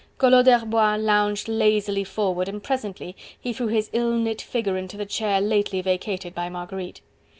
Collot d'Herbois lounged lazily forward, and presently he threw his ill knit figure into the chair lately vacated by Marguerite.